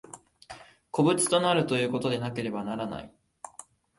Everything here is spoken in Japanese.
個物となるということでなければならない。